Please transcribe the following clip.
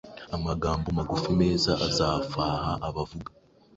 Amagambo magufi, meza azafaha abavuga